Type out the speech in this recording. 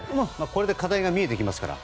これで課題が見えてきますから。